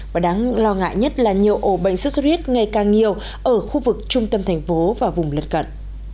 và đáng lo ngại nhất là nhiều ổ bệnh sốt xuất huyết ngày càng nhiều ở khu vực trung tâm thành phố và vùng lật cận